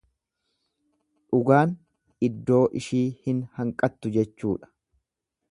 Dhugaan iddoo ishii hin hanqattu jechuudha.